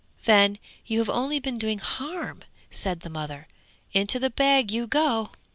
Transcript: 'Then you have only been doing harm!' said the mother. 'Into the bag you go!'